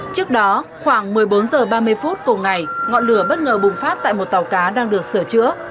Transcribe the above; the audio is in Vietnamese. trước đó khoảng một mươi bốn h ba mươi phút cùng ngày ngọn lửa bất ngờ bùng phát tại một tàu cá đang được sửa chữa